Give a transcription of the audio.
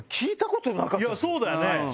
いやそうだよね。